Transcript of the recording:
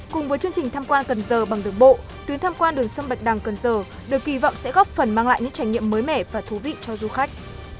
cùng với chương trình tham quan cần giờ bằng đường bộ tuyến tham quan đường sông bạch đằng cần giờ được kỳ vọng sẽ góp phần mang lại những trải nghiệm mới mẻ và thú vị cho du khách